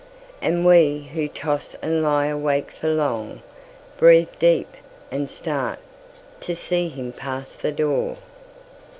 And we who toss and lie awake for long, Breathe deep, and start, to see him pass the door.